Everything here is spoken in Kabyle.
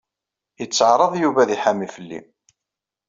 Itteɛṛaḍ Yuba ad iḥami fell-i.